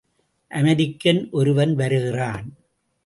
American ஒருவன் வருகிறான்.